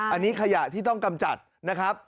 อันนี้ขยะที่ต้องกำจัดนะครับ